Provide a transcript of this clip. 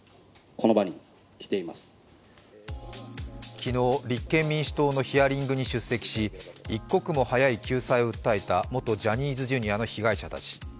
昨日、立憲民主党のヒアリングに出席し一刻も早い救済を訴えた元ジャニーズＪｒ．の被害者たち。